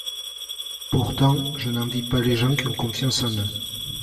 Pourtant, je n'envie pas les gens qui ont confiance en eux.